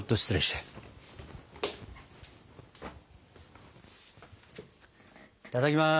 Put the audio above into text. いただきます！